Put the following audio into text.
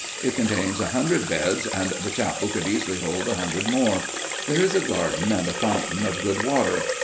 It contains a hundred beds, and the chapel could easily hold a hundred more. There is a garden and a fountain of good water.